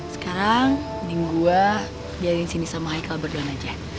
sekarang mending gue biarin sini sama haikel berdua aja